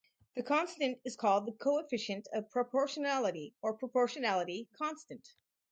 The constant is called the coefficient of proportionality or proportionality constant.